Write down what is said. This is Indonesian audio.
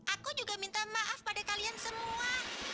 aku juga minta maaf pada kalian semua